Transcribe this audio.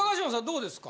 どうですか？